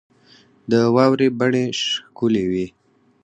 د واورې بڼې ښکلي وې.